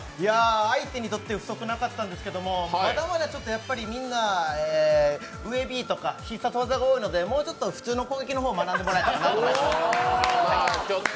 相手にとって不足なかったんですけど、まだまだみんな、必殺技が多いのでもうちょっと普通の攻撃の方を学んでもらえたらなと思います。